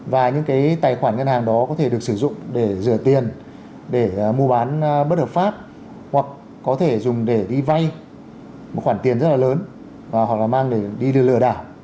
và những cái tài khoản ngân hàng đó có thể được sử dụng để rửa tiền để mua bán bất hợp pháp hoặc có thể dùng để đi vay một khoản tiền rất là lớn hoặc là mang để đi lừa đảo